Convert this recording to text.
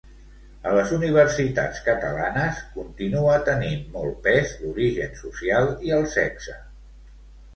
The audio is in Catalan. A les universitats catalanes, continua tenint molt pes l'origen social i el sexe.